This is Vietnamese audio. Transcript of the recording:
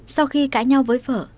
sau khi cãi nhau với vợ